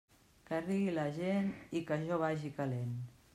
Que rigui la gent i que jo vagi calent.